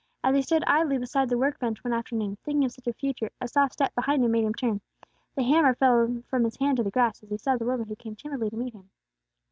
As he stood idly beside the work bench one afternoon, thinking of such a future, a soft step behind him made him turn. The hammer fell from his hand to the grass, as he saw the woman who came timidly to meet him.